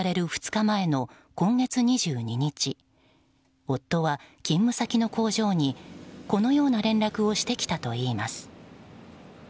２日前の今月２２日、夫は勤務先の工場にこのような連絡をしてきたといいます。